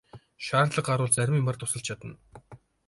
Шаардлага гарвал зарим юмаар тусалж чадна.